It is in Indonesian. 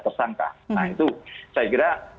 tersangka nah itu saya kira